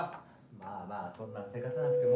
・まあまあそんなせかさなくても。